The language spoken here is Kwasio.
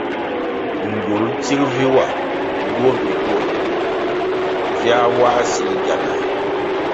Gywul tsig vi wa duo mbpi duo, viā wā sil gyanah,